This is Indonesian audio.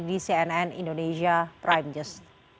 di cnn indonesia prime news